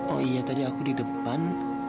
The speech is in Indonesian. oh iya tadi aku di depan